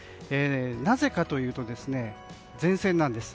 なぜかというと前線なんです。